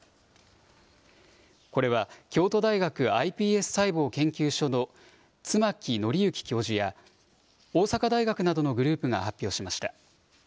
これは京都大学ｉＰＳ細胞研究所の妻木範行教授や大阪大学などのグループが発表しました。